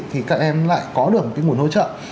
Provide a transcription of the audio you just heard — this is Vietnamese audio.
thì các em lại có được một cái nguồn hỗ trợ